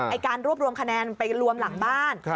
การรวบรวมคะแนนไปรวมหลังบ้าน